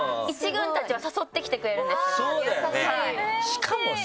しかもさ。